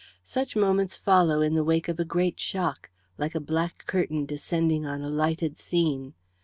Such moments follow in, the wake of a great shock, like a black curtain descending on a lighted scene.